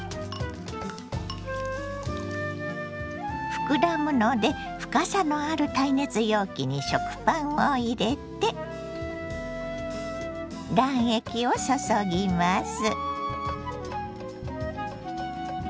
膨らむので深さのある耐熱容器に食パンを入れて卵液を注ぎます。